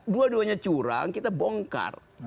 dua duanya curang kita bongkar